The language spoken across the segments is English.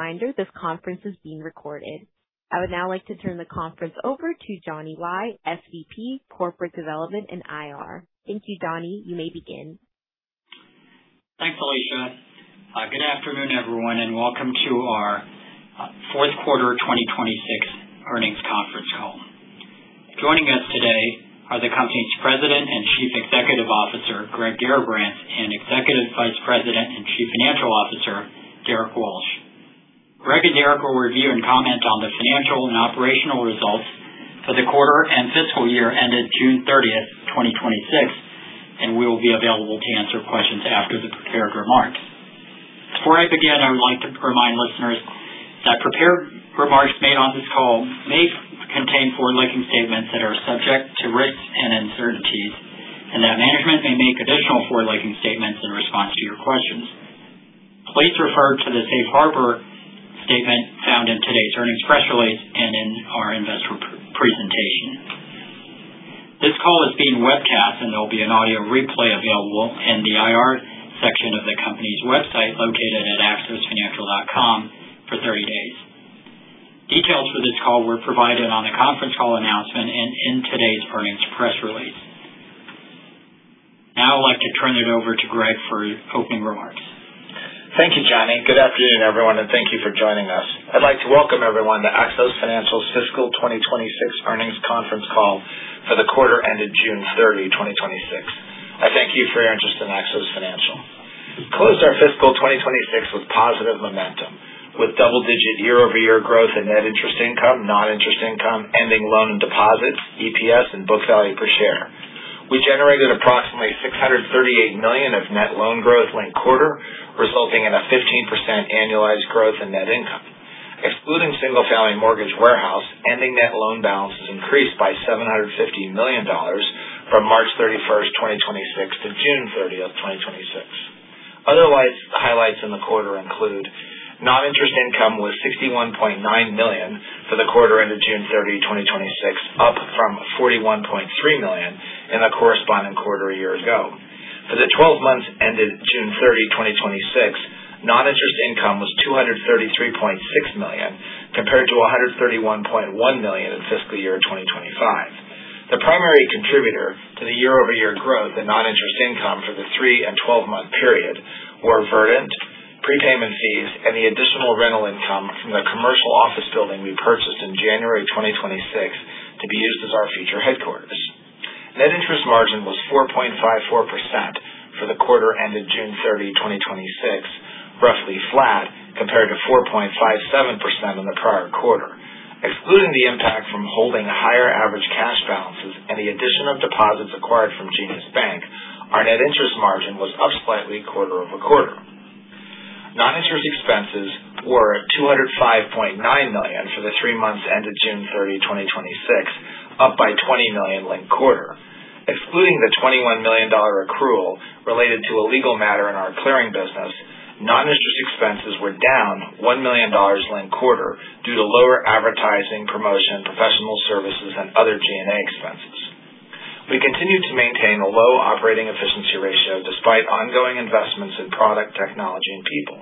As a reminder, this conference is being recorded. I would now like to turn the conference over to Johnny Lai, SVP, Corporate Development and IR. Thank you, Johnny. You may begin. Thanks, Alicia. Good afternoon, everyone. Welcome to our fourth quarter 2026 earnings conference call. Joining us today are the company's President and Chief Executive Officer, Greg Garrabrants, Executive Vice President and Chief Financial Officer, Derrick Walsh. Greg and Derrick will review and comment on the financial and operational results for the quarter and fiscal year ended June 30th, 2026, we will be available to answer questions after the prepared remarks. Before I begin, I would like to remind listeners that prepared remarks made on this call may contain forward-looking statements that are subject to risks and uncertainties that management may make additional forward-looking statements in response to your questions. Please refer to the safe harbor statement found in today's earnings press release in our investor presentation. This call is being webcast, there'll be an audio replay available in the IR section of the company's website located at axosfinancial.com for 30 days. Details for this call were provided on the conference call announcement in today's earnings press release. I'd like to turn it over to Greg for opening remarks. Thank you, Johnny. Good afternoon, everyone. Thank you for joining us. I'd like to welcome everyone to Axos Financial's fiscal 2026 earnings conference call for the quarter ended June 30, 2026. I thank you for your interest in Axos Financial. We closed our fiscal 2026 with positive momentum, with double-digit year-over-year growth in net interest income, non-interest income, ending loan and deposits, EPS, and book value per share. We generated approximately $638 million of net loan growth linked quarter, resulting in a 15% annualized growth in net income. Excluding single-family mortgage warehouse, ending net loan balances increased by $750 million from March 31st, 2026 to June 30th, 2026. Other highlights in the quarter include non-interest income was $61.9 million for the quarter ended June 30, 2026, up from $41.3 million in the corresponding quarter a year ago. For the 12 months ended June 30, 2026, non-interest income was $233.6 million, compared to $131.1 million in fiscal year 2025. The primary contributor to the year-over-year growth in non-interest income for the three and 12-month period were Verdant prepayment fees and the additional rental income from the commercial office building we purchased in January 2026 to be used as our future headquarters. Net interest margin was 4.54% for the quarter ended June 30, 2026, roughly flat compared to 4.57% in the prior quarter. Excluding the impact from holding higher average cash balances and the addition of deposits acquired from Jenius Bank, our net interest margin was up slightly quarter-over-quarter. Non-interest expenses were at $205.9 million for the three months ended June 30, 2026, up by $20 million linked quarter. Excluding the $21 million accrual related to a legal matter in our clearing business, non-interest expenses were down $1 million linked quarter due to lower advertising, promotion, professional services, and other G&A expenses. We continue to maintain a low operating efficiency ratio despite ongoing investments in product technology and people.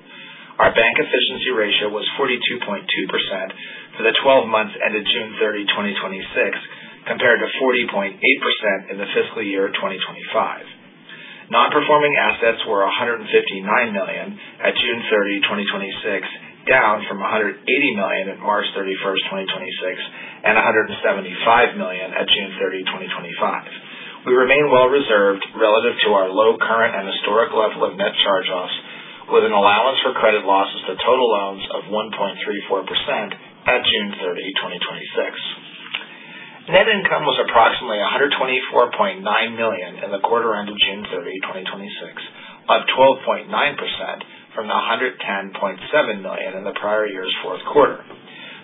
Our bank efficiency ratio was 42.2% for the 12 months ended June 30, 2026, compared to 40.8% in the fiscal year 2025. Non-performing assets were $159 million at June 30, 2026, down from $180 million at March 31, 2026 and $175 million at June 30, 2025. We remain well reserved relative to our low current and historic level of net charge-offs, with an allowance for credit losses to total loans of 1.34% at June 30, 2026. Net income was approximately $124.9 million in the quarter ended June 30, 2026, up 12.9% from the $110.7 million in the prior year's fourth quarter.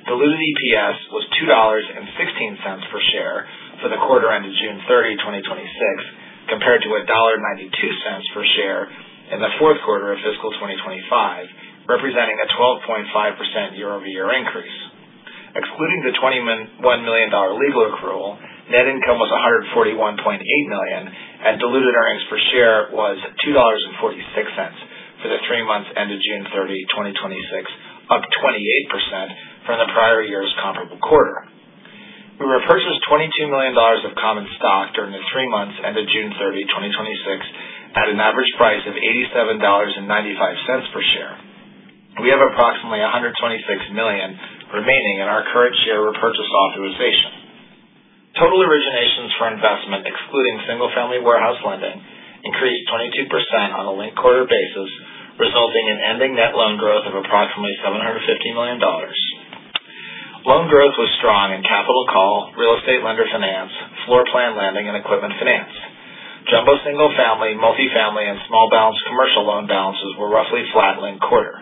Diluted EPS was $2.16 per share for the quarter ended June 30, 2026, compared to $1.92 per share in the fourth quarter of fiscal 2025, representing a 12.5% year-over-year increase. Excluding the $21 million legal accrual, net income was $141.8 million, and diluted earnings per share was $2.46 for the three months ended June 30, 2026, up 28% from the prior year's comparable quarter. We repurchased $22 million of common stock during the three months ended June 30, 2026 at an average price of $87.95 per share. We have approximately $126 million remaining in our current share repurchase authorization. Total originations for investment excluding single-family warehouse lending increased 22% on a linked quarter basis, resulting in ending net loan growth of approximately $750 million. Loan growth was strong in capital call, real estate lender finance, floor plan lending, and equipment finance. Jumbo single-family, multifamily, and small balance commercial loan balances were roughly flat linked quarter.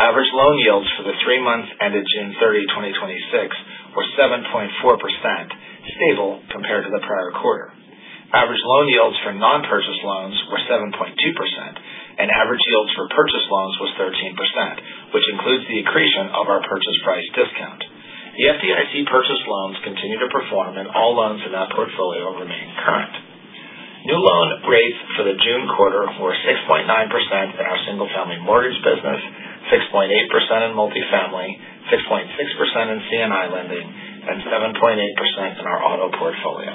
Average loan yields for the three months ended June 30, 2026 were 7.4%, stable compared to the prior quarter. Average loan yields for non-purchase loans were 7.2%, and average yields for purchase loans was 13%, which includes the accretion of our purchase price discount. The FDIC purchase loans continue to perform, and all loans in that portfolio remain current. Quarter were 6.9% in our single family mortgage business, 6.8% in multifamily, 6.6% in C&I lending, and 7.8% in our auto portfolio.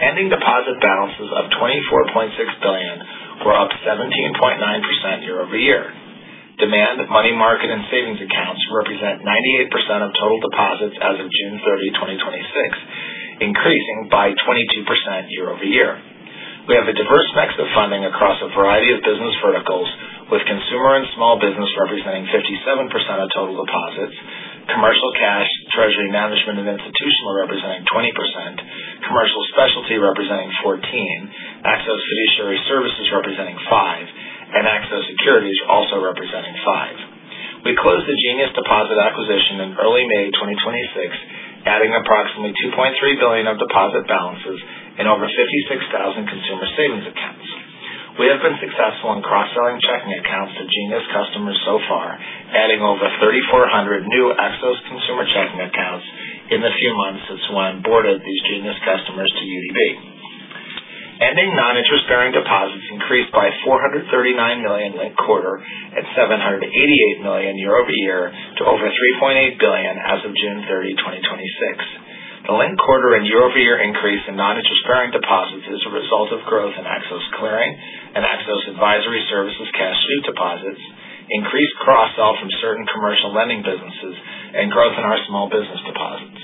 Ending deposit balances of $24.6 billion were up 17.9% year-over-year. Demand, money market, and savings accounts represent 98% of total deposits as of June 30, 2026, increasing by 22% year-over-year. We have a diverse mix of funding across a variety of business verticals, with consumer and small business representing 57% of total deposits, commercial cash, treasury management, and institutional representing 20%, commercial specialty representing 14%, Axos Fiduciary Services representing 5%, and Axos Securities also representing 5%. We closed the Jenius deposit acquisition in early May 2026, adding approximately $2.3 billion of deposit balances in over 56,000 consumer savings accounts. We have been successful in cross-selling checking accounts to Jenius customers so far, adding over 3,400 new Axos consumer checking accounts in the few months since we onboarded these Jenius customers to UB. Ending non-interest-bearing deposits increased by $439 million linked quarter and $788 million year-over-year to over $3.8 billion as of June 30, 2026. The linked quarter and year-over-year increase in non-interest-bearing deposits is a result of growth in Axos Clearing and Axos Fiduciary Services cash sweep deposits, increased cross-sell from certain commercial lending businesses, and growth in our small business deposits.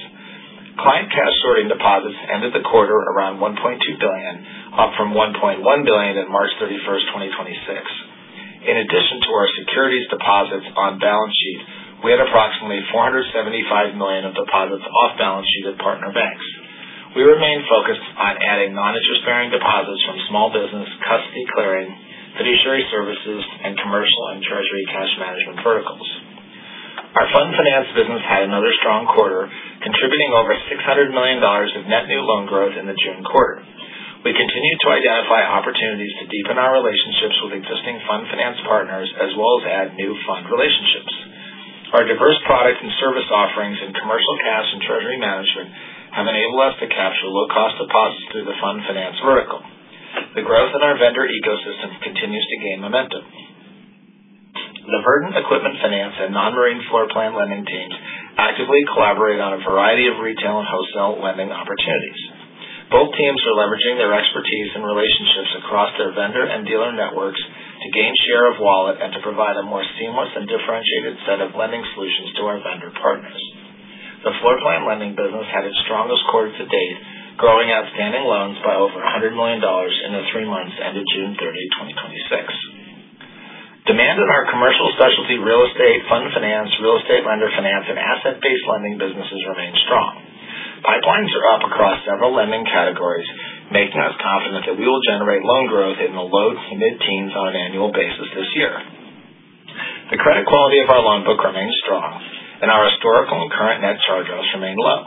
Client cash sorting deposits ended the quarter around $1.2 billion, up from $1.1 billion in March 31st, 2026. In addition to our securities deposits on balance sheet, we had approximately $475 million of deposits off balance sheet at partner banks. We remain focused on adding non-interest-bearing deposits from small business, custody clearing, fiduciary services, and commercial and treasury cash management verticals. Our fund finance business had another strong quarter, contributing over $600 million of net new loan growth in the June quarter. We continue to identify opportunities to deepen our relationships with existing fund finance partners, as well as add new fund relationships. Our diverse product and service offerings in commercial cash and treasury management have enabled us to capture low cost deposits through the fund finance vertical. The growth in our vendor ecosystem continues to gain momentum. The Verdant equipment finance and non-marine floor plan lending teams actively collaborate on a variety of retail and wholesale lending opportunities. Both teams are leveraging their expertise and relationships across their vendor and dealer networks to gain share of wallet and to provide a more seamless and differentiated set of lending solutions to our vendor partners. The floor plan lending business had its strongest quarter to date, growing outstanding loans by over $100 million in the three months ended June 30, 2026. Demand in our commercial specialty real estate, fund finance, real estate lender finance, and asset-based lending businesses remain strong. Pipelines are up across several lending categories, making us confident that we will generate loan growth in the low to mid-teens on an annual basis this year. The credit quality of our loan book remains strong and our historical and current net charge-offs remain low.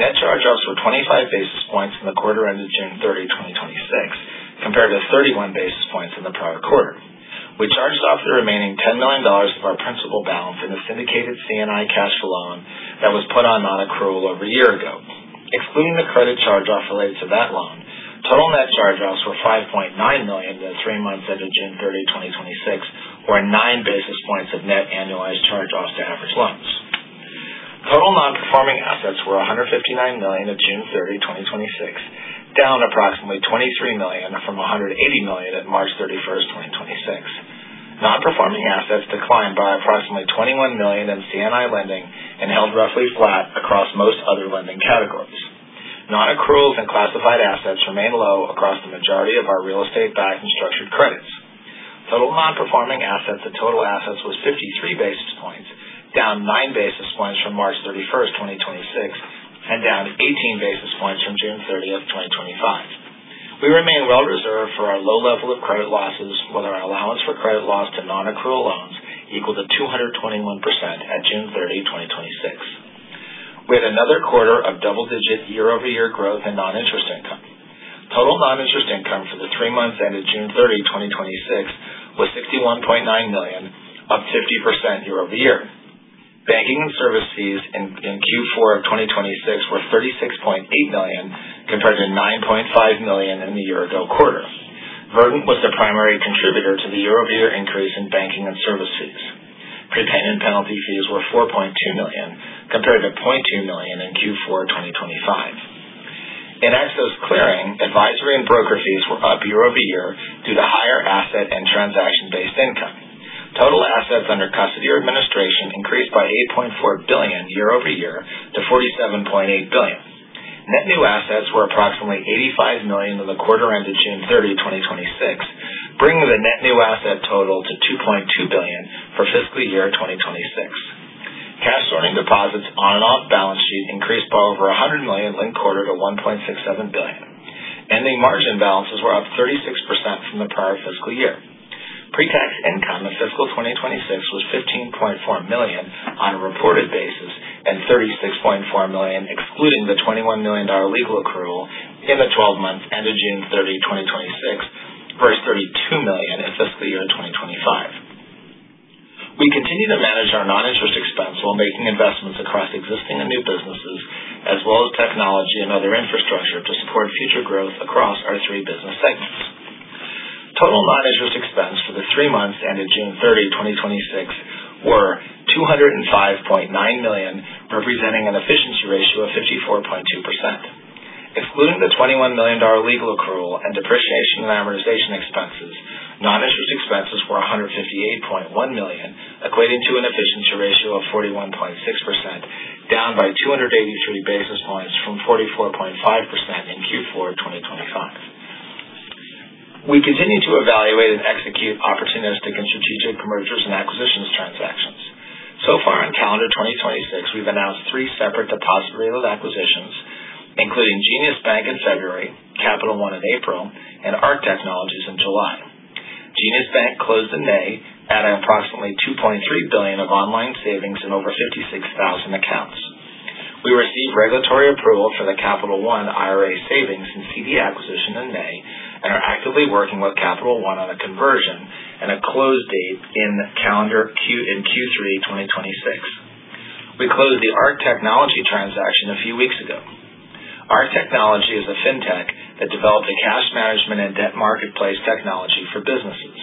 Net charge-offs were 25 basis points in the quarter ended June 30, 2026, compared to 31 basis points in the prior quarter. We charged off the remaining $10 million of our principal balance in the syndicated C&I cash loan that was put on non-accrual over a year ago. Excluding the credit charge-off related to that loan, total net charge-offs were $5.9 million in the three months ended June 30, 2026, or nine basis points of net annualized charge-offs to average loans. Total non-performing assets were $159 million at June 30, 2026, down approximately $23 million from $180 million at March 31st, 2026. Non-performing assets declined by approximately $21 million in C&I lending and held roughly flat across most other lending categories. Non-accruals and classified assets remain low across the majority of our real estate backed and structured credits. Total non-performing assets and total assets was 53 basis points, down nine basis points from March 31, 2026, and down 18 basis points from June 30, 2025. We remain well reserved for our low level of credit losses with our allowance for credit loss to non-accrual loans equal to 221% at June 30, 2026. We had another quarter of double-digit year-over-year growth in non-interest income. Total non-interest income for the three months ended June 30, 2026, was $61.9 million, up 50% year-over-year. Banking and service fees in Q4 2026 were $36.8 million, compared to $9.5 million in the year ago quarter. Verdant was the primary contributor to the year-over-year increase in banking and service fees. Prepayment penalty fees were $4.2 million, compared to $0.2 million in Q4 2025. In Axos Clearing, advisory and broker fees were up year-over-year due to higher asset and transaction-based income. Total assets under custody or administration increased by $8.4 billion year-over-year to $47.8 billion. Net new assets were approximately $85 million in the quarter ended June 30, 2026, bringing the net new asset total to $2.2 billion for fiscal year 2026. Cash sorting deposits on and off balance sheet increased by over $100 million linked quarter to $1.67 billion. Ending margin balances were up 36% from the prior fiscal year. Pretax income in fiscal 2026 was $15.4 million on a reported basis, and $36.4 million excluding the $21 million legal accrual in the 12 months ended June 30, 2026, versus $32 million in fiscal year. We continue to manage our non-interest expense while making investments across existing and new businesses, as well as technology and other infrastructure to support future growth across our three business segments. Total non-interest expense for the three months ended June 30, 2026, were $205.9 million, representing an efficiency ratio of 54.2%. Excluding the $21 million legal accrual and depreciation and amortization expenses, non-interest expenses were $158.1 million, equating to an efficiency ratio of 41.6%, down by 283 basis points from 44.5% in Q4 2025. We continue to evaluate and execute opportunistic and strategic mergers and acquisitions transactions. Far in calendar 2026, we've announced three separate depository-led acquisitions, including Jenius Bank in February, Capital One in April, and Arc Technologies in July. Jenius Bank closed in May out of approximately $2.3 billion of online savings in over 56,000 accounts. We received regulatory approval for the Capital One IRA savings and CD acquisition in May and are actively working with Capital One on a conversion and a close date in Q3 2026. We closed the Arc Technology transaction a few weeks ago. Arc Technology is a fintech that developed a cash management and debt marketplace technology for businesses.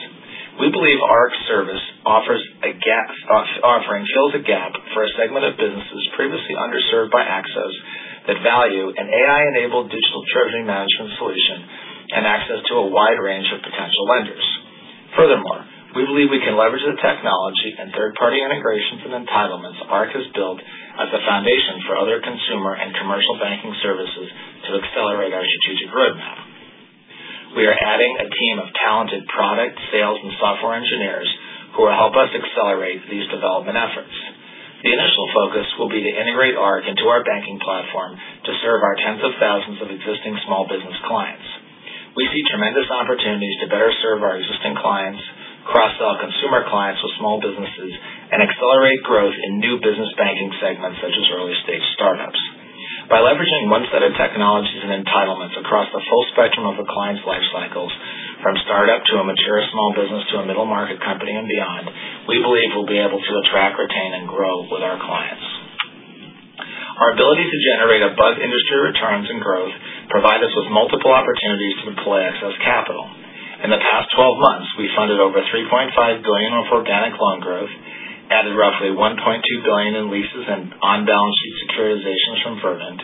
We believe Arc's service offering fills a gap for a segment of businesses previously underserved by Axos that value an AI-enabled digital treasury management solution and access to a wide range of potential lenders. Furthermore, we believe we can leverage the technology and third-party integrations and entitlements Arc has built as a foundation for other consumer and commercial banking services to accelerate our strategic roadmap. We are adding a team of talented product, sales, and software engineers who will help us accelerate these development efforts. The initial focus will be to integrate Arc into our banking platform to serve our tens of thousands of existing small business clients. We see tremendous opportunities to better serve our existing clients, cross-sell consumer clients with small businesses, and accelerate growth in new business banking segments such as early-stage startups. By leveraging one set of technologies and entitlements across the full spectrum of a client's life cycles, from startup to a mature small business to a middle market company and beyond, we believe we'll be able to attract, retain, and grow with our clients. Our ability to generate above-industry returns and growth provide us with multiple opportunities to deploy excess capital. In the past 12 months, we funded over $3.5 billion of organic loan growth, added roughly $1.2 billion in leases and on-balance sheet securitizations from Verdant,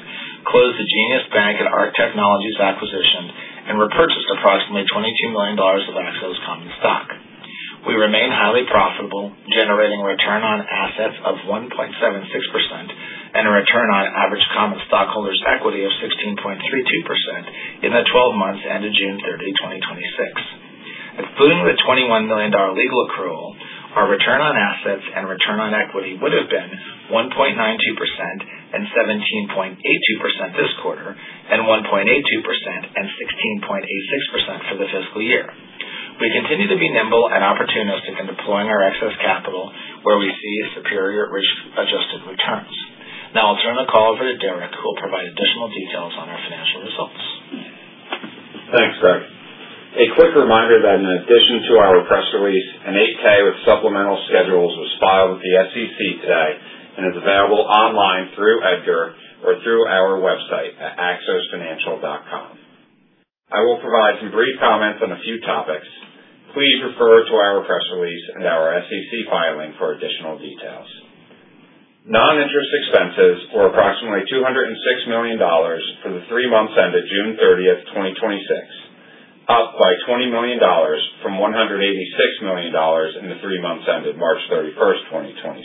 closed the Jenius Bank and Arc Technologies acquisition, and repurchased approximately $22 million of Axos common stock. We remain highly profitable, generating return on assets of 1.76% and a return on average common stockholders' equity of 16.32% in the 12 months ended June 30, 2026. Excluding the $21 million legal accrual, our return on assets and return on equity would have been 1.92% and 17.82% this quarter and 1.82% and 16.86% for the fiscal year. We continue to be nimble and opportunistic in deploying our excess capital where we see superior risk-adjusted returns. I'll turn the call over to Derrick, who will provide additional details on our financial results. Thanks, Greg. A quick reminder that in addition to our press release, an 8-K with supplemental schedules was filed with the SEC today and is available online through EDGAR or through our website at axosfinancial.com. I will provide some brief comments on a few topics. Please refer to our press release and our SEC filing for additional details. Non-interest expenses were approximately $206 million for the three months ended June 30, 2026, up by $20 million from $186 million in the three months ended March 31, 2026.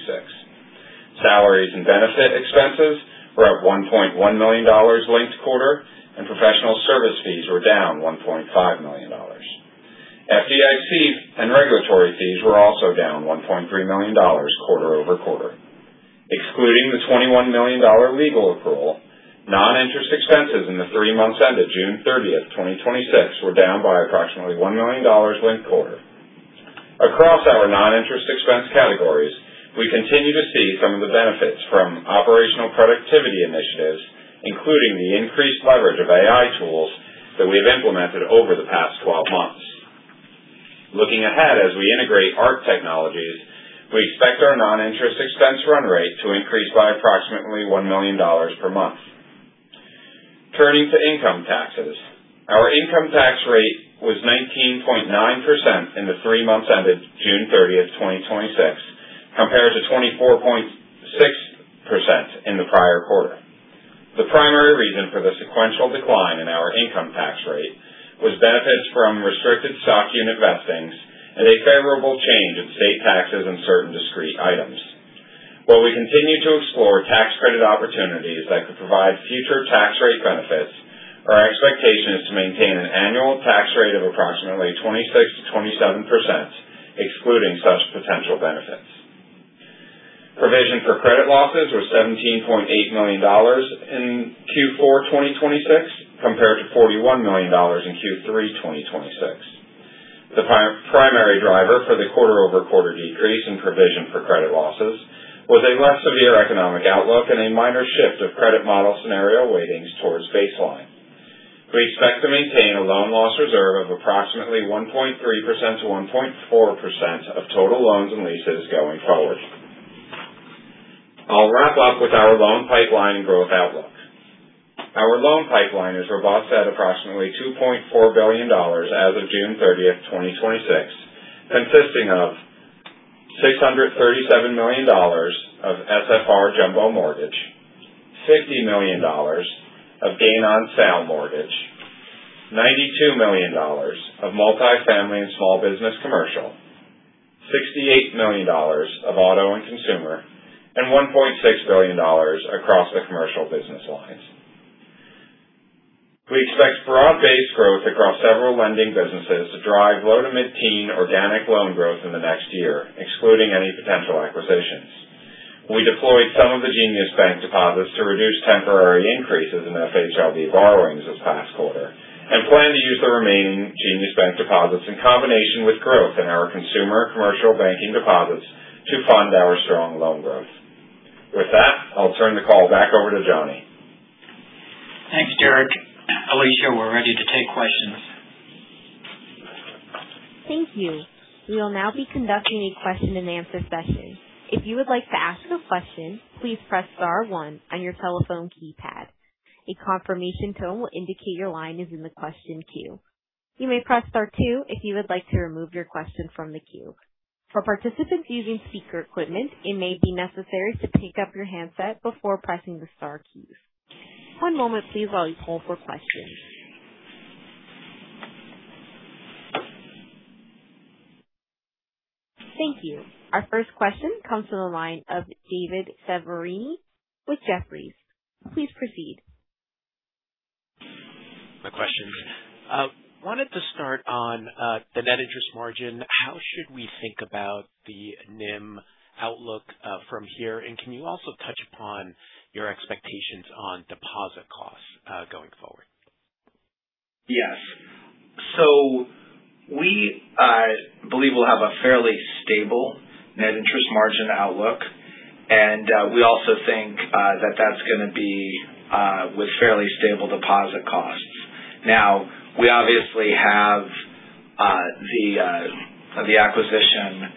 Salaries and benefit expenses were up $1.1 million linked quarter, and professional service fees were down $1.5 million. FDIC and regulatory fees were also down $1.3 million quarter-over-quarter. Excluding the $21 million legal accrual, non-interest expenses in the three months ended June 30, 2026, were down by approximately $1 million linked quarter. Across our non-interest expense categories, we continue to see some of the benefits from operational productivity initiatives, including the increased leverage of AI tools that we've implemented over the past 12 months. Looking ahead, as we integrate Arc Technologies, we expect our non-interest expense run rate to increase by approximately $1 million per month. Turning to income taxes. Our income tax rate was 19.9% in the three months ended June 30th, 2026, compared to 24.6% in the prior quarter. The primary reason for the sequential decline in our income tax rate was benefits from restricted stock unit vesting and a favorable change in state taxes and certain discrete items. While we continue to explore tax credit opportunities that could provide future tax rate benefits, our expectation is to maintain an annual tax rate of approximately 26%-27%, excluding such potential benefits. Provision for credit losses was $17.8 million in Q4 2026, compared to $41 million in Q3 2026. The primary driver for the quarter-over-quarter decrease in provision for credit losses was a less severe economic outlook and a minor shift of credit model scenario weightings towards baseline. We expect to maintain a loan loss reserve of approximately 1.3%-1.4% of total loans and leases going forward. I'll wrap up with our loan pipeline growth outlook. Our loan pipeline is robust at approximately $2.4 billion as of June 30th, 2026, consisting of $637 million of SFR Jumbo mortgage, $50 million of gain on sale mortgage, $92 million of multifamily and small business commercial, $68 million of auto and consumer, and $1.6 billion across the commercial business lines. We expect broad-based growth across several lending businesses to drive low-to-mid-teen organic loan growth in the next year, excluding any potential acquisitions. We deployed some of the Jenius Bank deposits to reduce temporary increases in FHLB borrowings this past quarter and plan to use the remaining Jenius Bank deposits in combination with growth in our consumer commercial banking deposits to fund our strong loan growth. With that, I'll turn the call back over to Johnny. Thanks, Derrick. Alicia, we're ready to take questions. Thank you. We will now be conducting a question-and-answer session. If you would like to ask a question, please press star one on your telephone keypad. A confirmation tone will indicate your line is in the question queue. You may press star two if you would like to remove your question from the queue. For participants using speaker equipment, it may be necessary to pick up your handset before pressing the star keys. One moment please while we poll for questions. Thank you. Our first question comes from the line of David Chiaverini with Jefferies. Please proceed. My questions. Wanted to start on the net interest margin. How should we think about the NIM outlook from here? Can you also touch upon your expectations on deposit costs going forward? Yes. We believe we'll have a fairly stable net interest margin outlook, and we also think that that's going to be with fairly stable deposit costs. Now, we obviously have the acquisition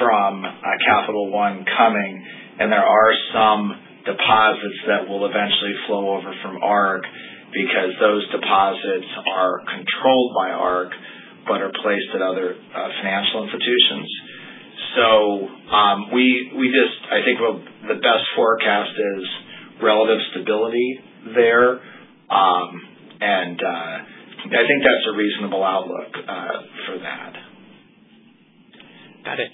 from Capital One coming, and there are some deposits that will eventually flow over from Arc because those deposits are controlled by Arc but are placed at other financial institutions. I think the best forecast is relative stability there. I think that's a reasonable outlook for that. Got it.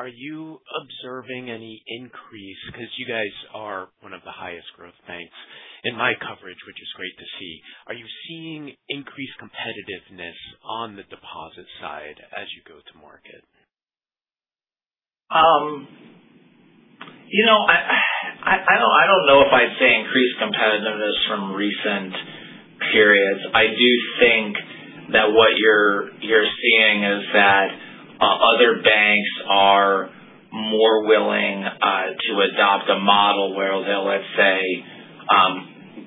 Are you observing any increase? Because you guys are one of the highest growth banks in my coverage, which is great to see. Are you seeing increased competitiveness on the deposit side as you go to market? I don't know if I'd say increased competitiveness from recent periods. I do think that what you're seeing is that other banks are more willing to adopt a model where they'll, let's say,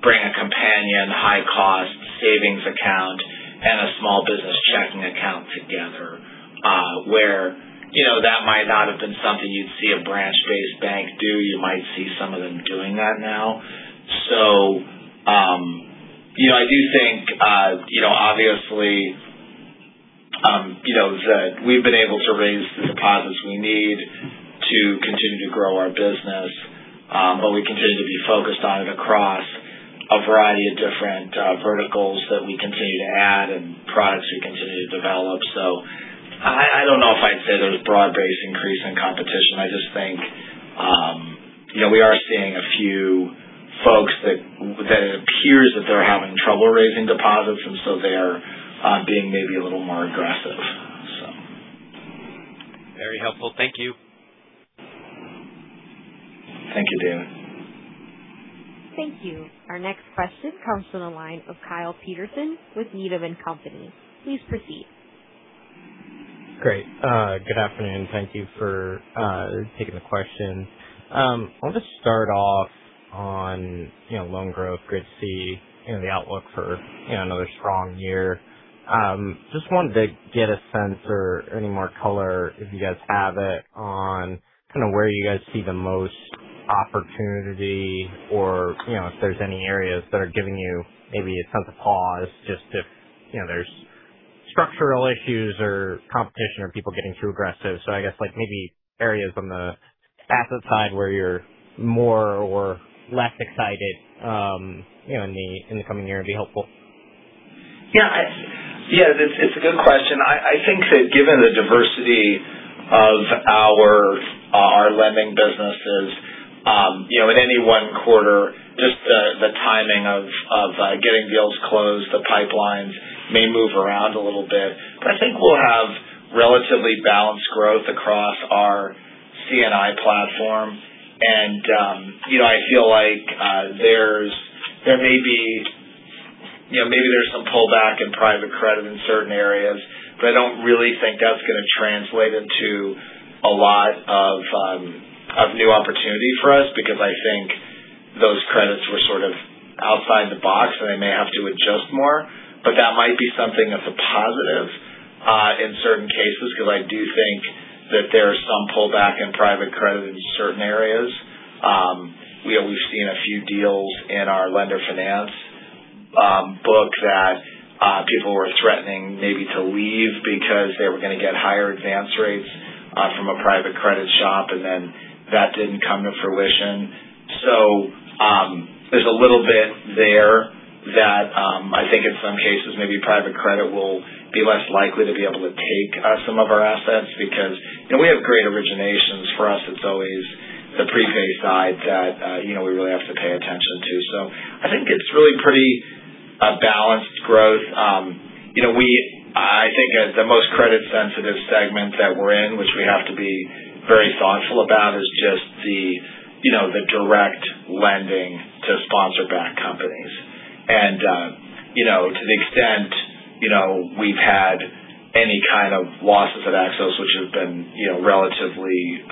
bring a companion high-cost savings account and a small business checking account together where that might not have been something you'd see a branch-based bank do. You might see some of them doing that now. I do think, obviously, that we've been able to raise the deposits we need to continue to grow our business. We continue to be focused on it across a variety of different verticals that we continue to add and products we continue to develop. I don't know if I'd say there's a broad-based increase in competition. I just think we are seeing a few folks that it appears that they're having trouble raising deposits, and so they're being maybe a little more aggressive. Very helpful. Thank you. Thank you, David. Thank you. Our next question comes from the line of Kyle Peterson with Needham & Company. Please proceed. Great. Good afternoon. Thank you for taking the question. I'll just start off on loan growth. Good to see the outlook for another strong year. Just wanted to get a sense or any more color, if you guys have it, on where you guys see the most opportunity or if there's any areas that are giving you maybe a sense of pause, just if there's structural issues or competition or people getting too aggressive. I guess maybe areas on the asset side where you're more or less excited in the coming year would be helpful. Yeah. It's a good question. I think that given the diversity of our lending businesses in any one quarter, just the timing of getting deals closed, the pipelines may move around a little bit. I think we'll have relatively balanced growth across our C&I platform. I feel like maybe there's some pullback in private credit in certain areas, but I don't really think that's going to translate into a lot Of new opportunity for us because I think those credits were sort of outside the box and they may have to adjust more. That might be something that's a positive, in certain cases, because I do think that there is some pullback in private credit in certain areas. We've seen a few deals in our lender finance book that people were threatening maybe to leave because they were going to get higher advance rates from a private credit shop, and then that didn't come to fruition. There's a little bit there that I think in some cases maybe private credit will be less likely to be able to take some of our assets because we have great originations. For us, it's always the prepaid side that we really have to pay attention to. I think it's really pretty balanced growth. I think the most credit-sensitive segment that we're in, which we have to be very thoughtful about, is just the direct lending to sponsor-backed companies. To the extent we've had any kind of losses at Axos, which have been relatively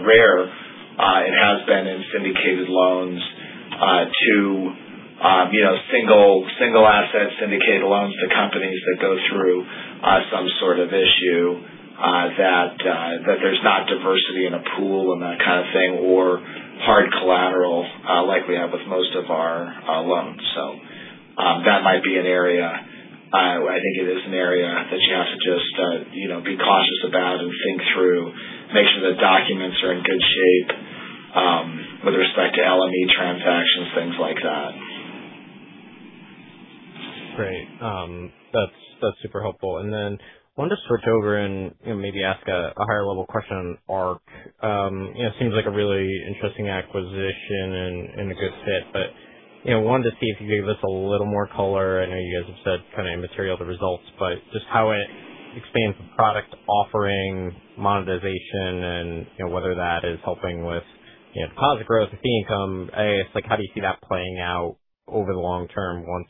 rare, it has been in syndicated loans to single asset syndicated loans to companies that go through some sort of issue that there's not diversity in a pool and that kind of thing, or hard collateral like we have with most of our loans. That might be an area. I think it is an area that you have to just be cautious about and think through, make sure the documents are in good shape, with respect to LME transactions, things like that. Great. That's super helpful. Wanted to switch over and maybe ask a higher-level question on Arc. It seems like a really interesting acquisition and a good fit, but wanted to see if you could give us a little more color. I know you guys have said kind of immaterial to results, but just how it expands the product offering monetization and whether that is helping with deposit growth or fee income. How do you see that playing out over the long term once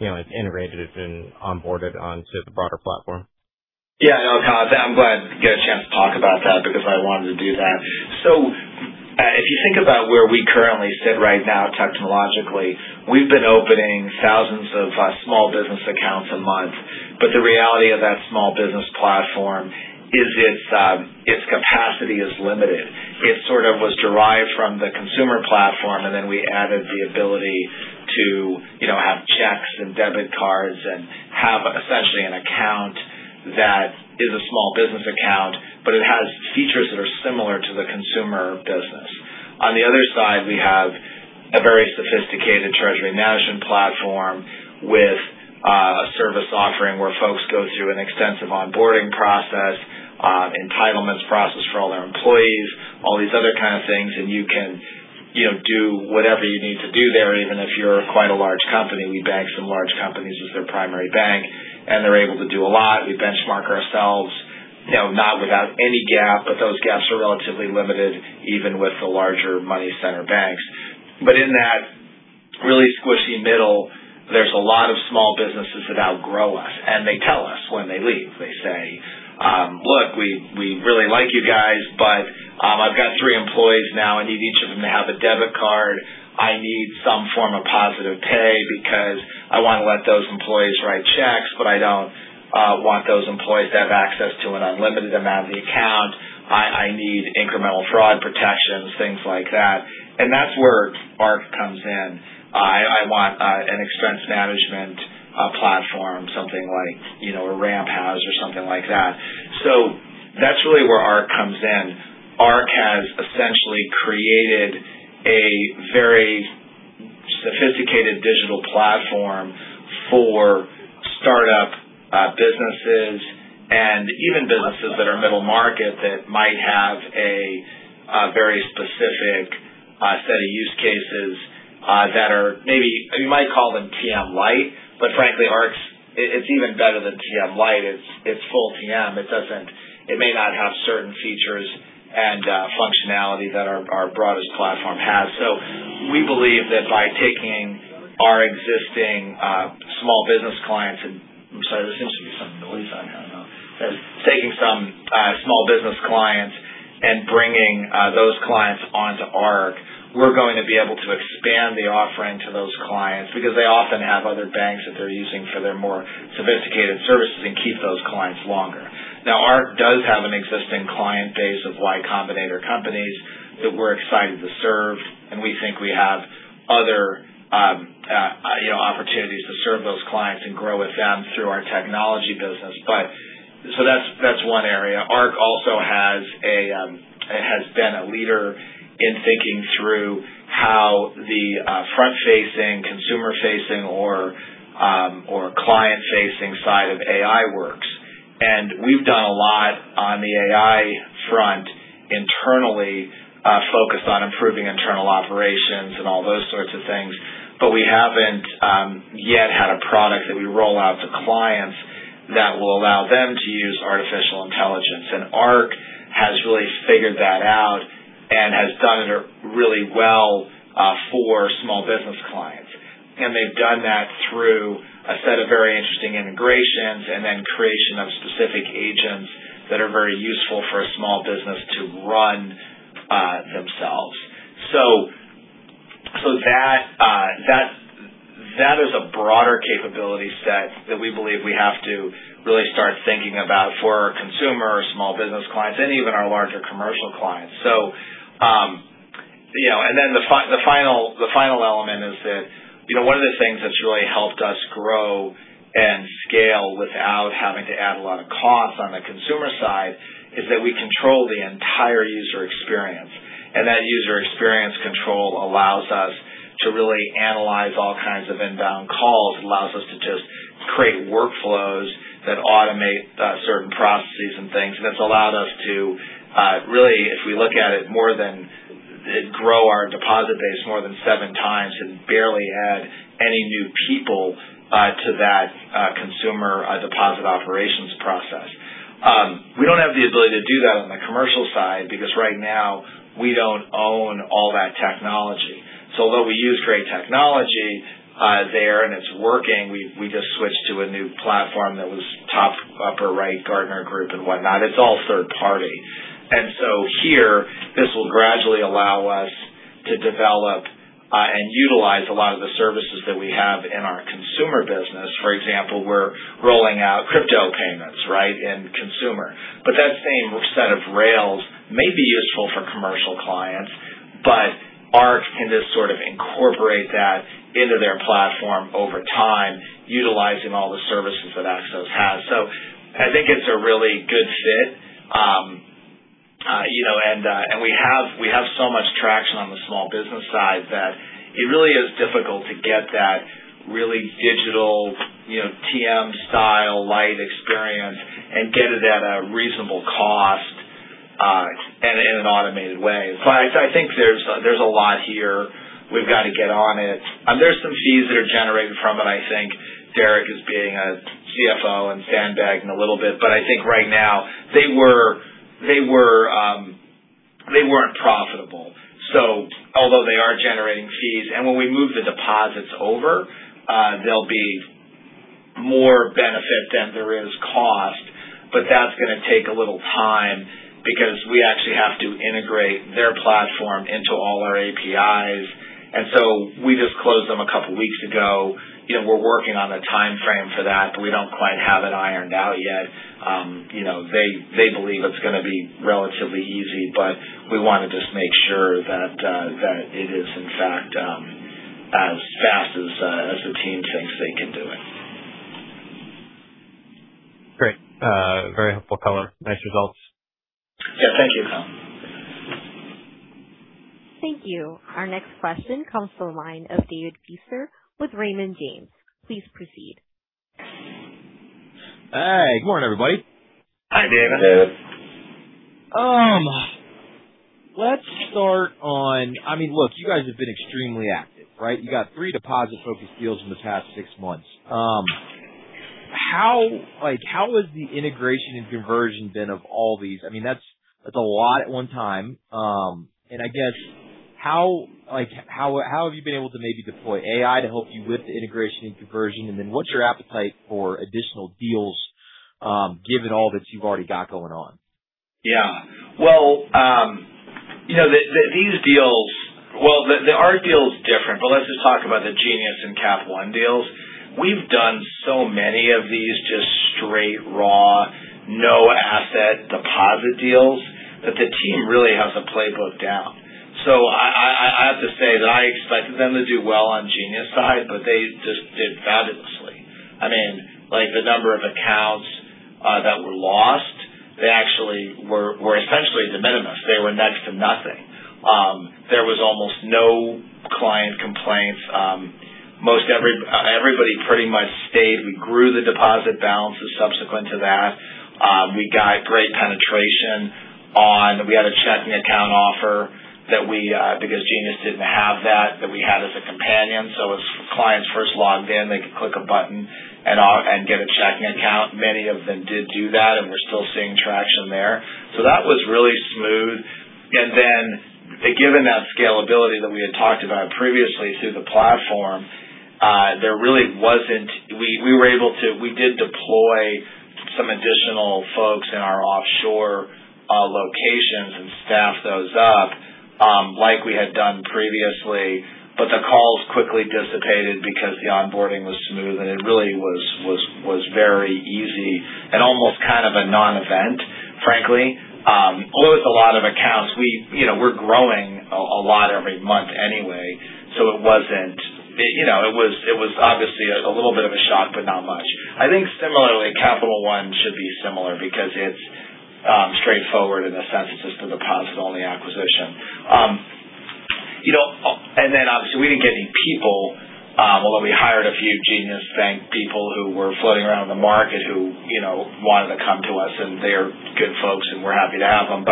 it's integrated, it's been onboarded onto the broader platform? Yeah. No, got it. I'm glad to get a chance to talk about that because I wanted to do that. If you think about where we currently sit right now technologically, we've been opening thousands of small business accounts a month. The reality of that small business platform is its capacity is limited. It sort of was derived from the consumer platform, and then we added the ability to have checks and debit cards and have essentially an account that is a small business account, but it has features that are similar to the consumer business. On the other side, we have a very sophisticated treasury management platform with a service offering where folks go through an extensive onboarding process, entitlements process for all their employees, all these other kind of things. You can do whatever you need to do there, even if you're quite a large company. We bank some large companies as their primary bank, and they're able to do a lot. We benchmark ourselves not without any gap, but those gaps are relatively limited even with the larger money center banks. In that really squishy middle, there's a lot of small businesses that outgrow us, and they tell us when they leave. They say, "Look, we really like you guys, but I've got three employees now. I need each of them to have a debit card. I need some form of positive pay because I want to let those employees write checks, but I don't want those employees to have access to an unlimited amount in the account. I need incremental fraud protections," things like that. That's where Arc comes in. I want an expense management platform, something like a Ramp has or something like that. That's really where Arc comes in. Arc has essentially created a very sophisticated digital platform for startup businesses and even businesses that are middle market that might have a very specific set of use cases that are maybe you might call them TM Lite. Frankly, Arc it's even better than TM Lite. It's full TM. It may not have certain features and functionality that our broadest platform has. We believe that by taking our existing small business clients and I'm sorry. There seems to be some noise on here. I don't know. Taking some small business clients and bringing those clients onto Arc, we're going to be able to expand the offering to those clients because they often have other banks that they're using for their more sophisticated services and keep those clients longer. Now, Arc does have an existing client base of Y Combinator companies that we're excited to serve, and we think we have other opportunities to serve those clients and grow with them through our technology business. That's one area. Arc also has been a leader in thinking through how the front-facing, consumer-facing, or client-facing side of AI works. We've done a lot on the AI front internally, focused on improving internal operations and all those sorts of things. We haven't yet had a product that we roll out to clients that will allow them to use artificial intelligence. Arc has really figured that out and has done it really well for small business clients. They've done that through a set of very interesting integrations and then creation of specific agents that are very useful for a small business to run themselves. That is a broader capability set that we believe we have to really start thinking about for our consumer, small business clients, and even our larger commercial clients. The final element is that one of the things that's really helped us grow and scale without having to add a lot of cost on the consumer side is that we control the entire user experience. That user experience control allows us to really analyze all kinds of inbound calls. It allows us to just create workflows that automate certain processes and things, and it's allowed us to really, if we look at it more than grow our deposit base more than seven times and barely add any new people to that consumer deposit operations process. We don't have the ability to do that on the commercial side because right now we don't own all that technology. Although we use great technology there and it's working, we just switched to a new platform that was top upper right Gartner and whatnot. It's all third party. Here, this will gradually allow us to develop and utilize a lot of the services that we have in our consumer business. For example, we're rolling out crypto payments in consumer. That same set of rails may be useful for commercial clients, Arc can just sort of incorporate that into their platform over time, utilizing all the services that Axos has. I think it's a really good fit. We have so much traction on the small business side that it really is difficult to get that really digital TM Lite experience and get it at a reasonable cost and in an automated way. I think there's a lot here. We've got to get on it. There's some fees that are generated from it. I think Derrick is being a CFO and sandbagging a little bit, but I think right now they weren't profitable. Although they are generating fees, and when we move the deposits over there'll be more benefit than there is cost. That's going to take a little time because we actually have to integrate their platform into all our APIs. We just closed them a couple weeks ago. We're working on a timeframe for that, but we don't quite have it ironed out yet. They believe it's going to be relatively easy, but we want to just make sure that it is in fact as fast as the team thinks they can do it. Great. Very helpful color. Nice results. Yeah. Thank you, Kyle. Thank you. Our next question comes from the line of David Feaster with Raymond James. Please proceed. Hey, good morning, everybody. Hi, David. Let's start. Look, you guys have been extremely active, right? You got three deposit-focused deals in the past six months. How has the integration and conversion been of all these? That's a lot at one time. I guess, how have you been able to maybe deploy AI to help you with the integration and conversion, and then what's your appetite for additional deals given all that you've already got going on? Our deal is different. Let's just talk about the Jenius and Capital One deals. We've done so many of these just straight, raw, no asset deposit deals that the team really has the playbook down. I have to say that I expected them to do well on Jenius side, but they just did fabulously. The number of accounts that were lost, they actually were essentially de minimis. They were next to nothing. There was almost no client complaints. Everybody pretty much stayed. We grew the deposit balances subsequent to that. We got great penetration on. We had a checking account offer because Jenius didn't have that we had as a companion. If clients first logged in, they could click a button and get a checking account. Many of them did do that, and we're still seeing traction there. That was really smooth. Given that scalability that we had talked about previously through the platform, we did deploy some additional folks in our offshore locations and staff those up like we had done previously. The calls quickly dissipated because the onboarding was smooth, and it really was very easy and almost kind of a non-event, frankly. It was a lot of accounts. We're growing a lot every month anyway. It was obviously a little bit of a shock, but not much. I think similarly, Capital One should be similar because it's straightforward in the sense it's just a deposit-only acquisition. Obviously we didn't get any people, although we hired a few Jenius Bank people who were floating around the market who wanted to come to us, and they are good folks, and we're happy to have them.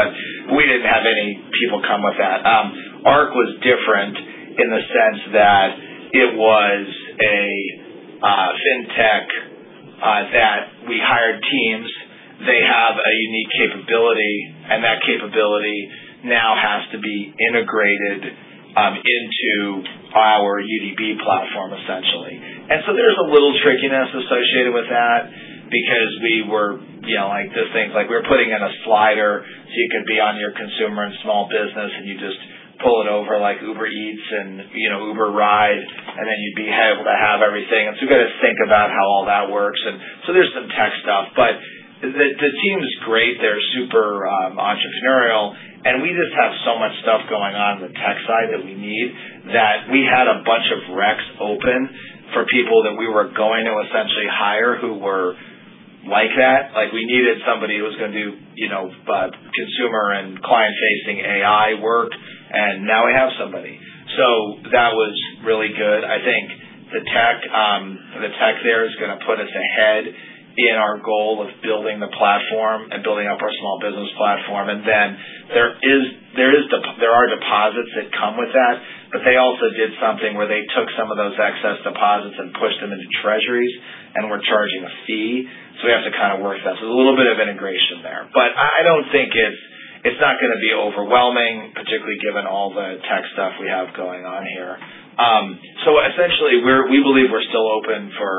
We didn't have any people come with that. Arc was different in the sense that it was a fintech unique capability, and that capability now has to be integrated into our Universal Digital Banking platform, essentially. There's a little trickiness associated with that because we were putting in a slider so you could be on your consumer and small business, and you just pull it over like Uber Eats and Uber Ride, and then you'd be able to have everything. You got to think about how all that works. There's some tech stuff. The team's great. They're super entrepreneurial, and we just have so much stuff going on in the tech side that we need that we had a bunch of recs open for people that we were going to essentially hire who were like that. We needed somebody who was going to do consumer and client-facing AI work, and now we have somebody. That was really good. I think the tech there is going to put us ahead in our goal of building the platform and building up our small business platform. There are deposits that come with that, but they also did something where they took some of those excess deposits and pushed them into treasuries and were charging a fee. We have to kind of work that. There's a little bit of integration there. I don't think it's not going to be overwhelming, particularly given all the tech stuff we have going on here. Essentially, we believe we're still open for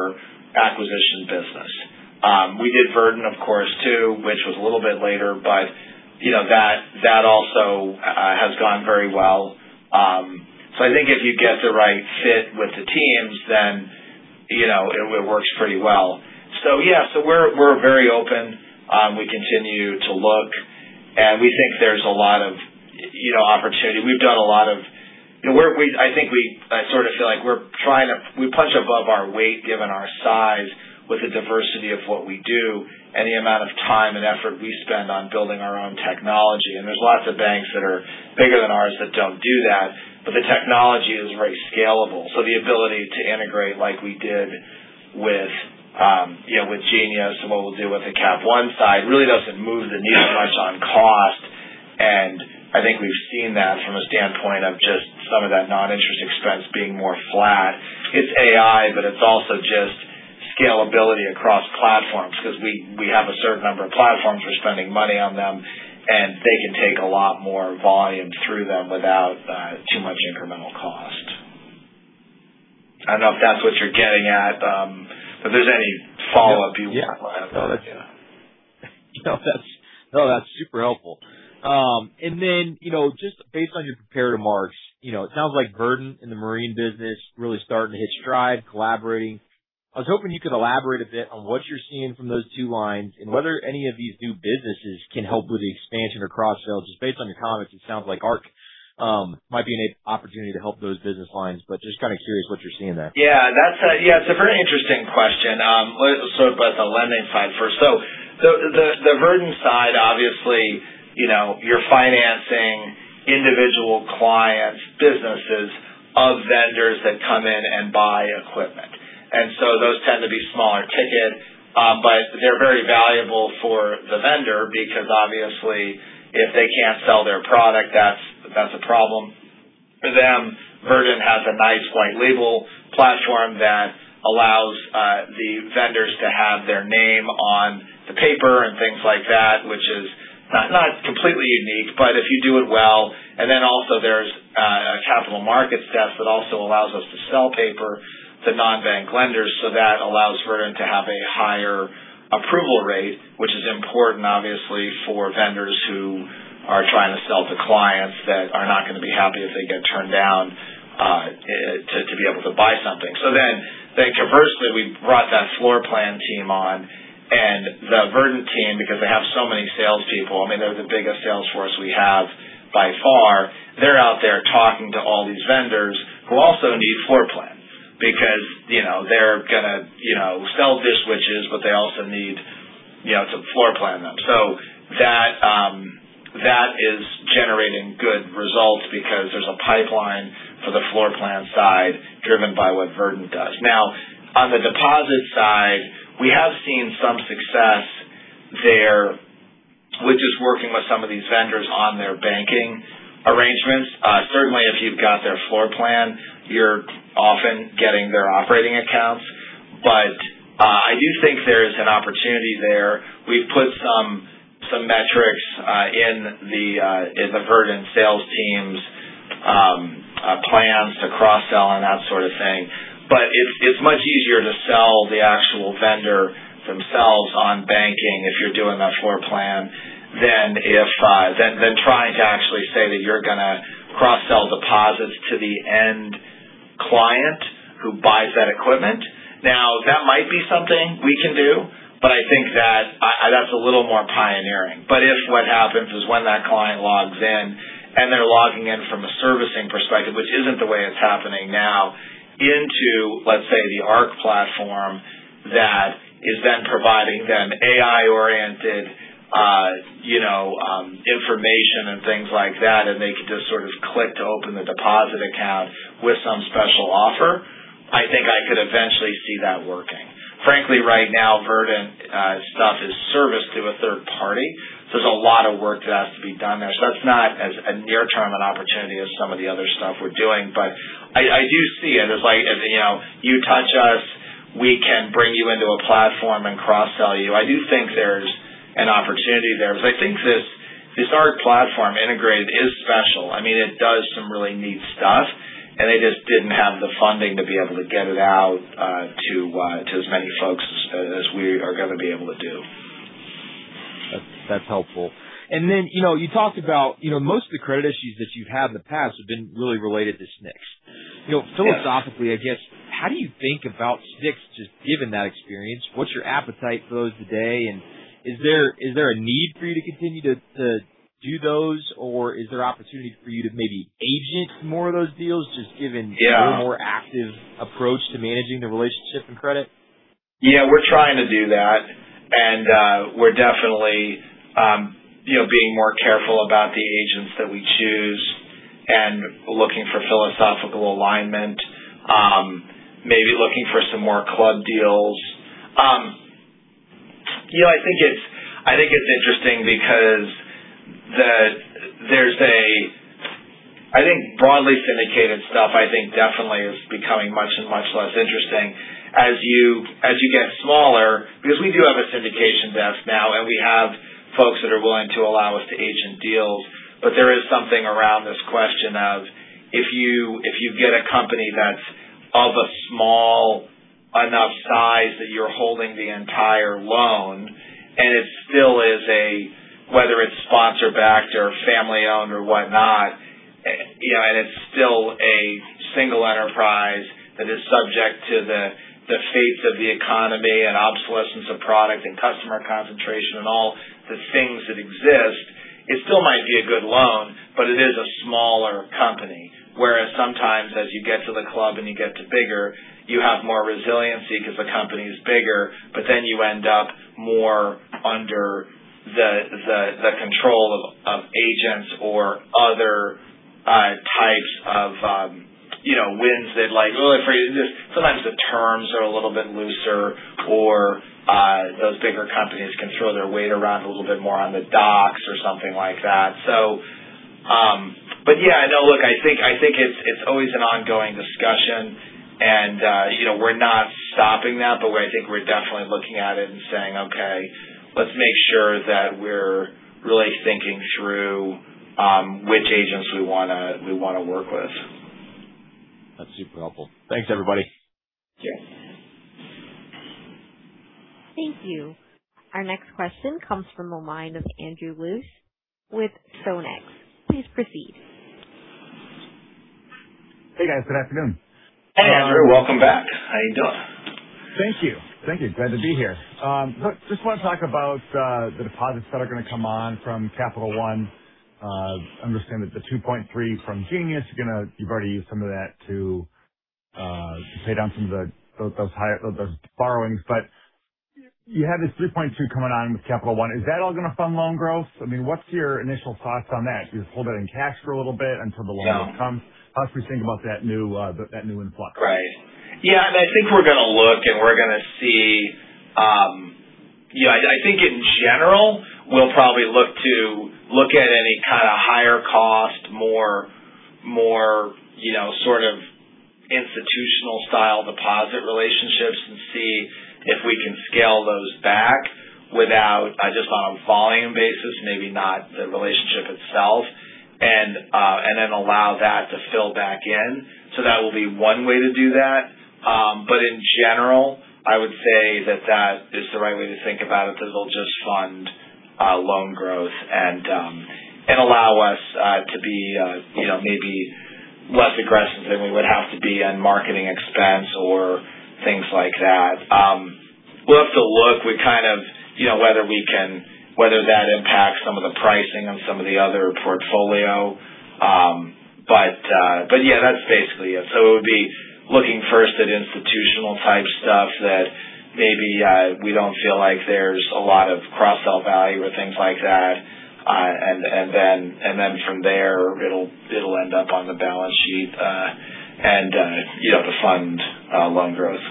acquisition business. We did Verdant, of course, too, which was a little bit later. That also has gone very well. I think if you get the right fit with the teams, then it works pretty well. Yeah. We're very open. We continue to look, and we think there's a lot of opportunity. I sort of feel like we punch above our weight given our size with the diversity of what we do and the amount of time and effort we spend on building our own technology. There's lots of banks that are bigger than ours that don't do that. The technology is very scalable. The ability to integrate like we did with Jenius Bank and what we'll do with the Cap One side really doesn't move the needle much on cost. I think we've seen that from a standpoint of just some of that non-interest expense being more flat. It's AI, it's also just scalability across platforms because we have a certain number of platforms. We're spending money on them, and they can take a lot more volume through them without too much incremental cost. I don't know if that's what you're getting at. If there's any follow-up you want? Yeah. No, that's super helpful. Just based on your prepared remarks, it sounds like Verdant and the marine business really starting to hit stride, collaborating. I was hoping you could elaborate a bit on what you're seeing from those two lines and whether any of these new businesses can help with the expansion or cross-sell. Just based on your comments, it sounds like Arc might be an opportunity to help those business lines, just kind of curious what you're seeing there. Yeah. It's a very interesting question. I'll start with the lending side first. The Verdant side, obviously, you're financing individual clients, businesses of vendors that come in and buy equipment. Those tend to be smaller ticket. They're very valuable for the vendor because obviously if they can't sell their product, that's a problem for them. Verdant has a nice white label platform that allows the vendors to have their name on the paper and things like that, which is not completely unique, but if you do it well. Then also there's a capital markets desk that also allows us to sell paper to non-bank lenders. That allows Verdant to have a higher approval rate, which is important, obviously, for vendors who are trying to sell to clients that are not going to be happy if they get turned down to be able to buy something. Conversely, we brought that floor plan team on and the Verdant team because they have so many salespeople. I mean, they're the biggest sales force we have by far. They're out there talking to all these vendors who also need floor plans because they're going to sell dishwashers, but they also need to floor plan them. That is generating good results because there's a pipeline for the floor plan side driven by what Verdant does. On the deposit side, we have seen some success there with just working with some of these vendors on their banking arrangements. Certainly, if you've got their floor plan, you're often getting their operating accounts. I do think there's an opportunity there. We've put some metrics in the Verdant sales team's plans to cross-sell and that sort of thing. It's much easier to sell the actual vendor themselves on banking if you're doing that floor plan than trying to actually say that you're going to cross-sell deposits to the end client who buys that equipment. That might be something we can do, but I think that's a little more pioneering. If what happens is when that client logs in and they're logging in from a servicing perspective, which isn't the way it's happening now, into, let's say, the Arc platform that is then providing them AI-oriented information and things like that, and they can just sort of click to open the deposit account with some special offer. I think I could eventually see that working. Frankly, right now, Verdant stuff is service to a third party. It's a lot to be done there. That's not as a near-term an opportunity as some of the other stuff we're doing, but I do see it as you touch us, we can bring you into a platform and cross-sell you. I do think there's an opportunity there because I think this Arc platform integrated is special. It does some really neat stuff, and they just didn't have the funding to be able to get it out to as many folks as we are going to be able to do. That's helpful. You talked about most of the credit issues that you've had in the past have been really related to SNCs. Yes. Philosophically, I guess, how do you think about SNCs just given that experience? What's your appetite for those today, and is there a need for you to continue to do those, or is there opportunity for you to maybe agent more of those deals, just given- Yeah a more active approach to managing the relationship and credit. Yeah, we're trying to do that. We're definitely being more careful about the agents that we choose and looking for philosophical alignment. Maybe looking for some more club deals. I think it's interesting because I think broadly syndicated stuff definitely is becoming much and much less interesting as you get smaller. We do have a syndication desk now, and we have folks that are willing to allow us to agent deals. There is something around this question of, if you get a company that's of a small enough size that you're holding the entire loan, and it still is a, whether it's sponsor-backed or family-owned or whatnot, and it's still a single enterprise that is subject to the fates of the economy and obsolescence of product and customer concentration and all the things that exist, it still might be a good loan, but it is a smaller company. Whereas sometimes as you get to the club and you get to bigger, you have more resiliency because the company is bigger. Then you end up more under the control of agents or other types of wins. Sometimes the terms are a little bit looser or those bigger companies can throw their weight around a little bit more on the docks or something like that. Yeah, no, look, I think it's always an ongoing discussion, and we're not stopping that, but I think we're definitely looking at it and saying, "Okay, let's make sure that we're really thinking through which agents we want to work with." That's super helpful. Thanks, everybody. Sure. Thank you. Our next question comes from the line of Andrew Liesch with StoneX. Please proceed. Hey, guys. Good afternoon. Hey, Andrew. Welcome back. How you doing? Thank you. Thank you. Glad to be here. Look, just want to talk about the deposits that are going to come on from Capital One. I understand that the $2.3 from Jenius, you've already used some of that to pay down some of those borrowings. You have this $3.2 coming on with Capital One. Is that all going to fund loan growth? What's your initial thoughts on that? Do you just hold that in cash for a little bit until the loan comes? No. How should we think about that new influx? Right. Yeah, I think we're going to look and we're going to see. I think in general, we'll probably look to look at any kind of higher cost, more sort of institutional-style deposit relationships and see if we can scale those back just on a volume basis, maybe not the relationship itself, then allow that to fill back in. That will be one way to do that. In general, I would say that is the right way to think about it, that it'll just fund loan growth and allow us to be maybe less aggressive than we would have to be on marketing expense or things like that. We'll have to look whether that impacts some of the pricing on some of the other portfolio. Yeah, that's basically it. It would be looking first at institutional type stuff that maybe we don't feel like there's a lot of cross-sell value or things like that. From there, it'll end up on the balance sheet and to fund loan growth.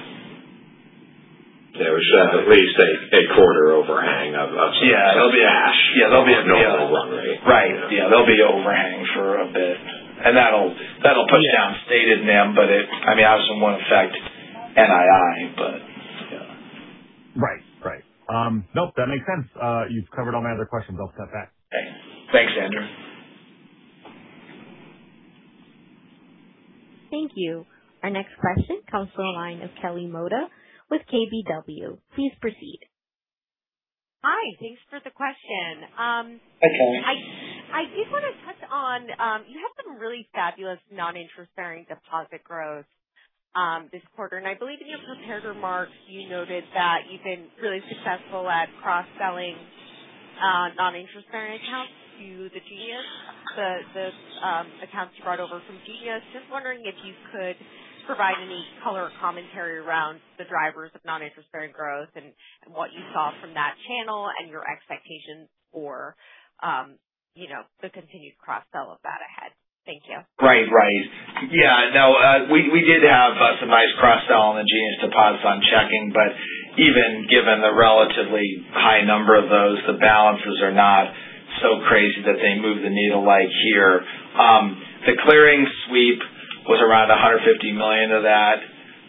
There was at least a quarter overhang of Yeah. -cash. Yeah. Normal run rate. Right. Yeah. There'll be overhang for a bit, and that'll push down stated NIM, but it obviously won't affect NII. Right. Nope, that makes sense. You've covered all my other questions. I'll step back. Thanks, Andrew. Thank you. Our next question comes from the line of Kelly Motta with KBW. Please proceed. Hi. Thanks for the question. Hi, Kelly. I did want to touch on, you had some really fabulous non-interest-bearing deposit growth this quarter. I believe in your prepared remarks, you noted that you've been really successful at cross-selling non-interest-bearing accounts to the Jenius, the accounts you brought over from Jenius. Just wondering if you could provide any color or commentary around the drivers of non-interest-bearing growth and what you saw from that channel and your expectations for the continued cross-sell of that ahead. Thank you. Right. Yeah, no, we did have some nice cross-sell on the Jenius deposits on checking, even given the relatively high number of those, the balances are not so crazy that they move the needle like here. The clearing sweep $150 million of that.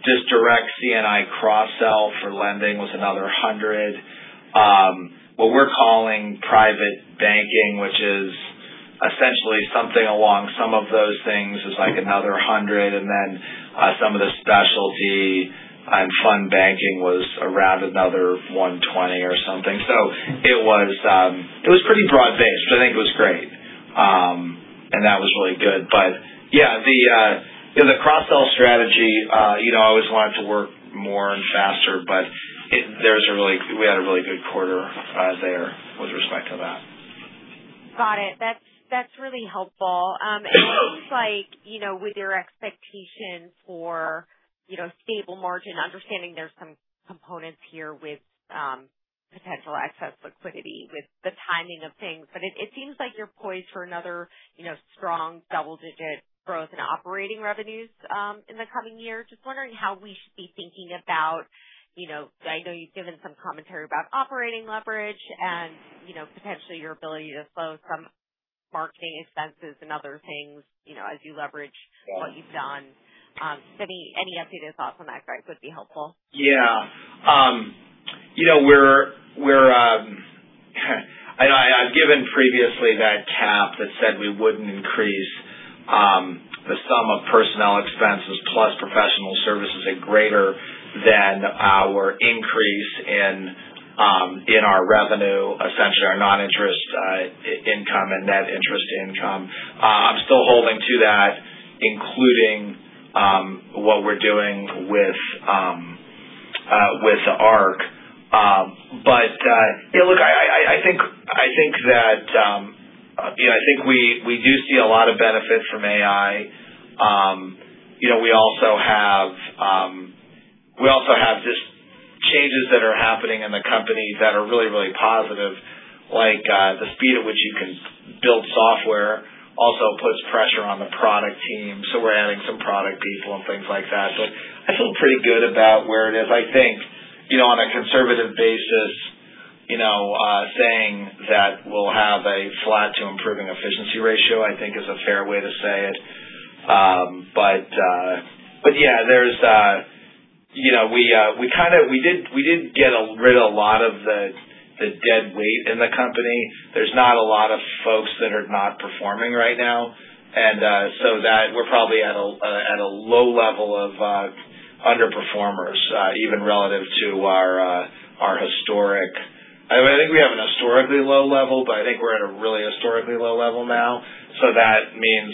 Just direct C&I cross-sell for lending was another $100 million. What we're calling private banking, which is essentially something along some of those things, is like another $100 million. Then some of the specialty and fund banking was around another $120 million or something. It was pretty broad-based, which I think was great. That was really good. Yeah, the cross-sell strategy, I always want it to work more and faster, we had a really good quarter there with respect to that. Got it. That's really helpful. It seems like with your expectation for stable margin, understanding there's some components here with potential excess liquidity with the timing of things, it seems like you're poised for another strong double-digit growth in operating revenues in the coming year. Just wondering how we should be thinking about, I know you've given some commentary about operating leverage and potentially your ability to slow some marketing expenses and other things as you leverage what you've done. Any updated thoughts on that, Greg, would be helpful. I've given previously that cap that said we wouldn't increase the sum of personnel expenses plus professional services at greater than our increase in our revenue, essentially our non-interest income and net interest income. I'm still holding to that, including what we're doing with Arc. Look, I think we do see a lot of benefit from AI. We also have just changes that are happening in the company that are really positive, like the speed at which you can build software also puts pressure on the product team. We're adding some product people and things like that. I feel pretty good about where it is. I think on a conservative basis, saying that we'll have a flat to improving efficiency ratio, I think is a fair way to say it. We did get rid of a lot of the dead weight in the company. There's not a lot of folks that are not performing right now. We're probably at a low level of underperformers even relative to our historic. I think we have an historically low level, but I think we're at a really historically low level now. That means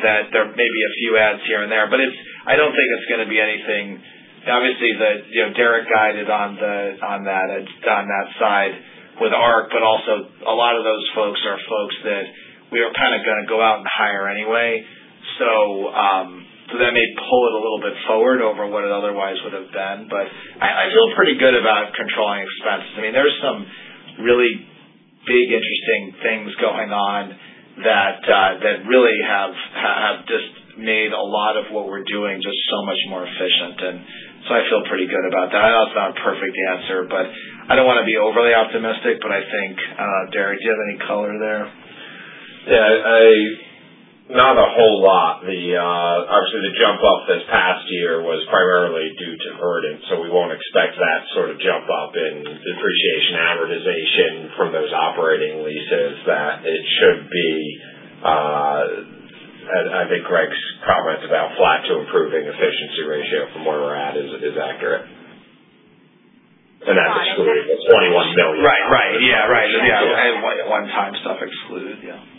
that there may be a few adds here and there, but I don't think it's going to be anything. Obviously, Derrick guided on that side with Arc, a lot of those folks are folks that we were kind of going to go out and hire anyway. That may pull it a little bit forward over what it otherwise would have been. I feel pretty good about controlling expenses. There's some really big, interesting things going on that really have just made a lot of what we're doing just so much more efficient, I feel pretty good about that. I know it's not a perfect answer, I don't want to be overly optimistic, I think, Derrick, do you have any color there? Not a whole lot. The jump up this past year was primarily due to earnings, we won't expect that sort of jump up in depreciation amortization from those operating leases. I think Greg's comments about flat to improving efficiency ratio from where we're at is accurate. That's excluding the $21 million. Right. Yeah. One time stuff excluded. Yeah.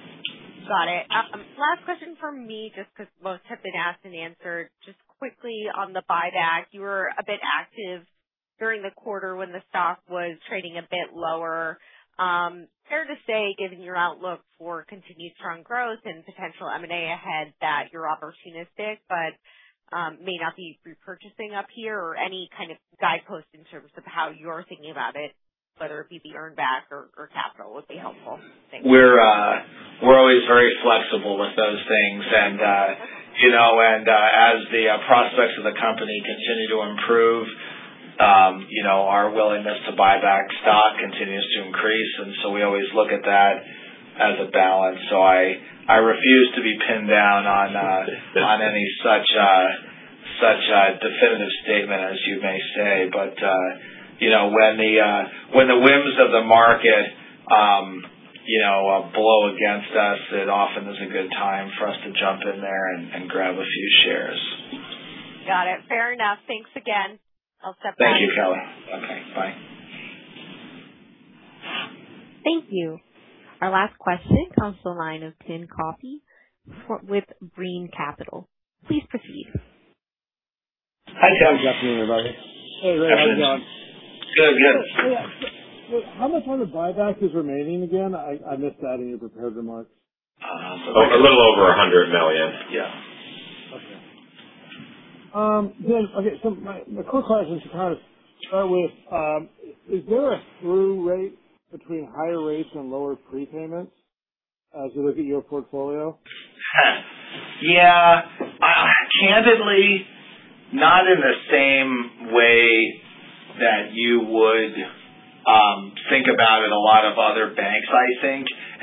Got it. Last question from me, just because most have been asked and answered. Quickly on the buyback, you were a bit active during the quarter when the stock was trading a bit lower. Fair to say, given your outlook for continued strong growth and potential M&A ahead that you're opportunistic but may not be repurchasing up here or any kind of guidepost in terms of how you're thinking about it, whether it be the earn back or capital would be helpful. Thanks. We're always very flexible with those things. As the prospects of the company continue to improve, our willingness to buy back stock continues to increase, and so we always look at that as a balance. I refuse to be pinned down on any such definitive statement, as you may say. When the whims of the market blow against us, it often is a good time for us to jump in there and grab a few shares. Got it. Fair enough. Thanks again. I'll step out. Thank you, Kelly. Okay, bye. Thank you. Our last question comes to the line of Tim Coffey with Green Capital. Please proceed. Hi, Tim. Good afternoon, everybody. Hey, Greg. How's it going? Good, good. How much of the buyback is remaining again? I missed that in your prepared remarks. A little over $100 million. Yeah. Okay. My quick question to kind of start with, is there a through rate between higher rates and lower prepayments as it is in your portfolio? Yeah.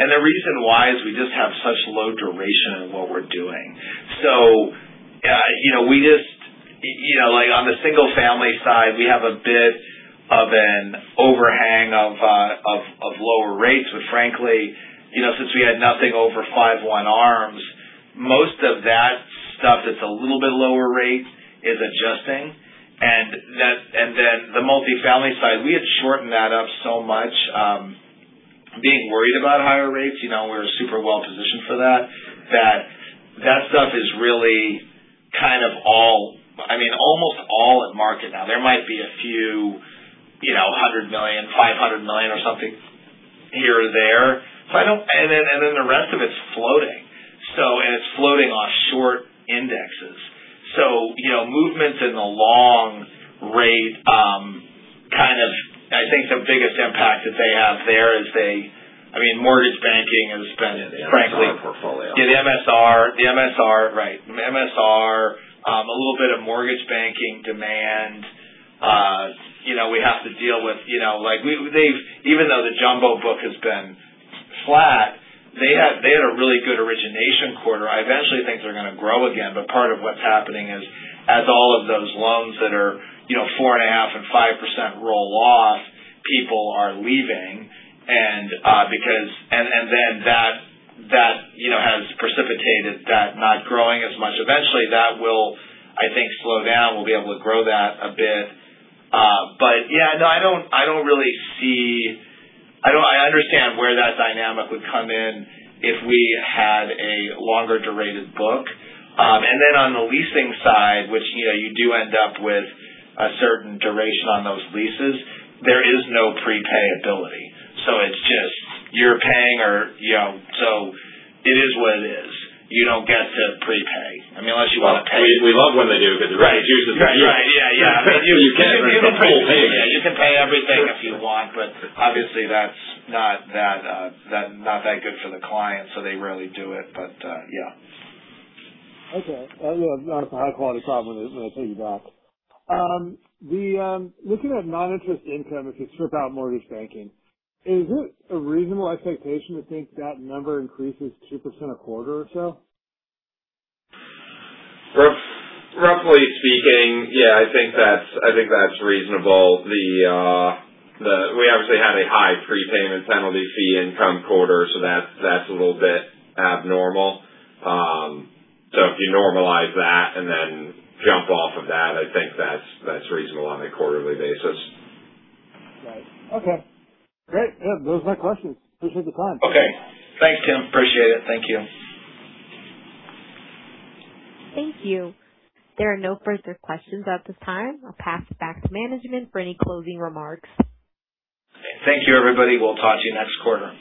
The reason why is we just have such low duration in what we're doing. On the single-family side, we have a bit of an overhang of lower rates. Frankly, since we had nothing over 5/1 ARMs, most of that stuff that's a little bit lower rate is adjusting. The multifamily side, we had shortened that up so much, being worried about higher rates. We're super well positioned for that stuff is really almost all at market now. There might be a few $100 million, $500 million or something here or there. The rest of it's floating. It's floating on short indexes. Movements in the long rate, I think the biggest impact that they have there is mortgage banking and spending, frankly. The MSR portfolio. Yeah, the MSR. Right. MSR, a little bit of mortgage banking demand. We have to deal with even though the jumbo book has been flat, they had a really good origination quarter. I eventually think they're going to grow again. Part of what's happening is as all of those loans that are, 4.5% and 5% roll off, people are leaving. That has precipitated that not growing as much. Eventually, that will, I think, slow down. We'll be able to grow that a bit. Yeah, I understand where that dynamic would come in if we had a longer-durated book. On the leasing side, which you do end up with a certain duration on those leases. There is no prepayability. It is what it is. You don't get to prepay. I mean, unless you want to pay. We love when they do because it reduces our yield. Right. Yeah. You can't remove a whole payment. You can pay everything if you want, but obviously that's not that good for the client, so they rarely do it. Yeah. Okay. Well, not a high quality problem when I pay you back. Looking at non-interest income, if you strip out mortgage banking, is it a reasonable expectation to think that number increases 2% a quarter or so? Roughly speaking, yeah, I think that's reasonable. We obviously had a high prepayment penalty fee income quarter. That's a little bit abnormal. If you normalize that and then jump off of that, I think that's reasonable on a quarterly basis. Right. Okay, great. Yeah, those are my questions. Appreciate the time. Okay. Thanks, Tim. Appreciate it. Thank you. Thank you. There are no further questions at this time. I'll pass it back to management for any closing remarks. Thank you, everybody. We'll talk to you next quarter.